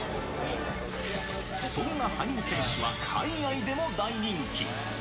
そんな羽生選手は、海外でも大人気。